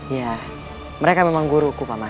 ya mereka memang guruku paman